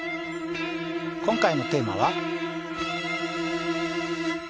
今回のテーマは。